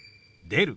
「出る」。